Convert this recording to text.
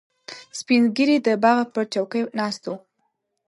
سپین ږیری د باغ پر چوکۍ ناست و.